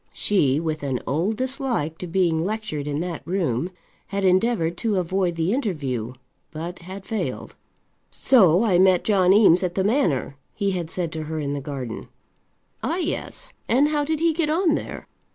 She, with an old dislike to being lectured in that room, had endeavoured to avoid the interview, but had failed. "So I met John Eames at the manor," he had said to her in the garden. "Ah, yes; and how did he get on there?